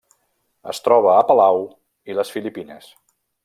Es troba a Palau i les Filipines.